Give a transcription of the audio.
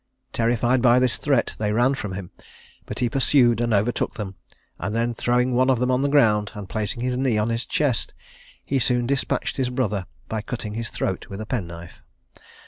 Terrified by this threat, they ran from him; but he pursued and overtook them, and then throwing one of them on the ground and placing his knee on his chest, he soon despatched his brother by cutting his throat with a penknife.